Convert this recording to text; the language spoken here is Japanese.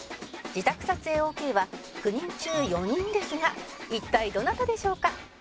自宅撮影 ＯＫ は９人中４人ですが一体どなたでしょうか？